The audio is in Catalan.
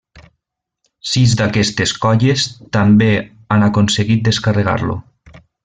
Sis d'aquestes colles també han aconseguit descarregar-lo.